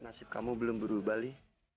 nasib kamu belum berubah li